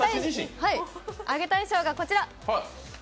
あげたい賞がこちら。